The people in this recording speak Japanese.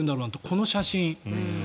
この写真。